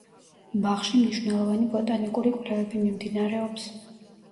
ბაღში მნიშვნელოვანი ბოტანიკური კვლევები მინდინარეობს.